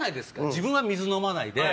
自分は水飲まないで。